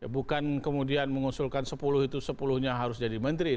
bukan kemudian mengusulkan sepuluh itu sepuluh nya harus jadi menteri